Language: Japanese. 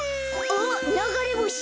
あっながれぼし！